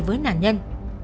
với nạn nhân